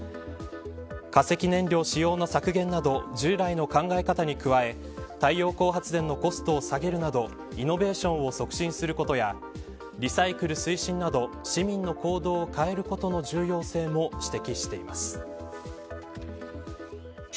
化石燃料使用の削減など従来の考え方に加え太陽光発電のコストを下げるなどイノベーションを促進することやリサイクル推進など市民の行動を変えることの重要性も指摘しています。